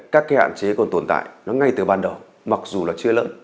các cái hạn chế còn tồn tại nó ngay từ ban đầu mặc dù là chưa lẫn